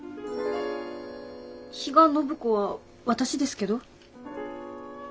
比嘉暢子は私ですけど。